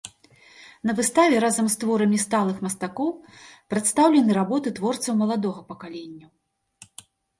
На выставе разам з творамі сталых мастакоў прадстаўлены работы творцаў маладога пакаленняў.